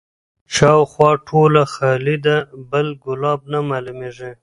شاوخوا ټوله خالي ده بل ګلاب نه معلومیږي